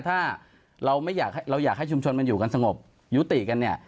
ถ้าเราไม่อยากให้เราอยากให้ชุมชนมันอยู่กันสงบยุติกันเนี่ย